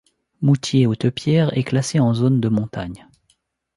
Mouthier-Haute-Pierre est classée en zone de montagne.